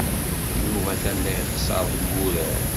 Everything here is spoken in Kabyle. Yuba atan la ixeṣṣer deg wurar.